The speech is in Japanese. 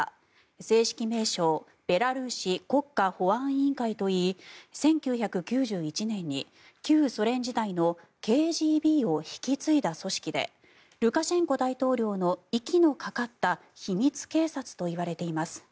正式名称ベラルーシ国家保安委員会といい１９９１年に旧ソ連時代のＫＧＢを引き継いだ組織でルカシェンコ大統領の息のかかった秘密警察といわれています。